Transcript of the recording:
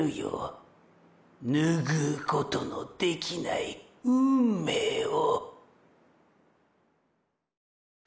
ぬぐうことのできない運命を！！